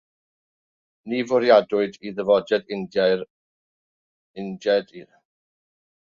Ni fwriadwyd i ddyfodiad Indiaid i'r Caribî Prydeinig fod yn barhaol.